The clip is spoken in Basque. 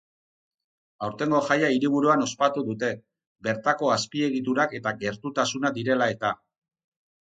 Aurtengo jaia hiriburuan ospatu dute, bertako azpiegiturak eta gertutasuna direla eta.